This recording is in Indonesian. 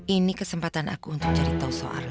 ini kesempatan aku untuk mencari tahu soal lilat